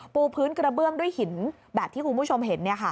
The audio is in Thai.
ปูพื้นกระเบื้องด้วยหินแบบที่คุณผู้ชมเห็น